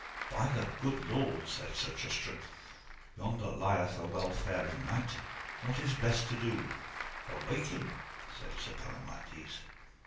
By the good lord, said Sir Tristram, yonder lieth a well faring knight; what is best to do? Awake him, said Sir Palomides.